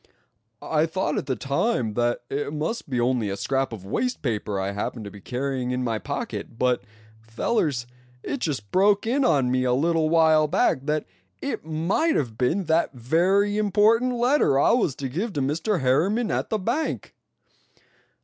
"I thought at the time that it must be only a scrap of waste paper I happened to be carrying in my pocket; but fellers, it just broke in on me a little while back that it might have been that very important letter I was to give to Mr. Harriman at the bank!"